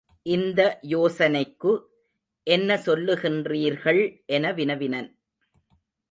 இந்த யோசனைக்கு என்ன சொல்லுகின்றீர்கள் என வினவினன்.